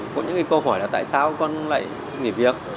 có những câu hỏi là tại sao con lại nghỉ việc